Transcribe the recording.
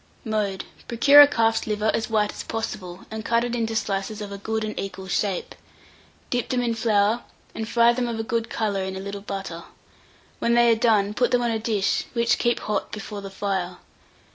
Mode. Procure a calf's liver as white as possible, and cut it into slices of a good and equal shape. Dip them in flour, and fry them of a good colour in a little butter. When they are done, put them on a dish, which keep hot before the fire.